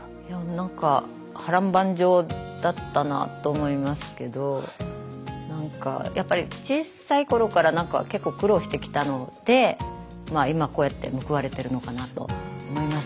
なんか波乱万丈だったなと思いますけどなんかやっぱり小さい頃から結構苦労してきたので今こうやって報われてるのかなと思います。